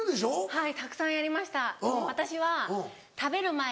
はい。